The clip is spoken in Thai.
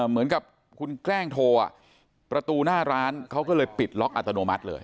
เหมือนกับคุณแกล้งโทรประตูหน้าร้านเขาก็เลยปิดล็อกอัตโนมัติเลย